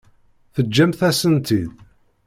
Teǧǧamt-asen-tt-id.